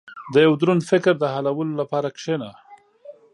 • د یو دروند فکر د حلولو لپاره کښېنه.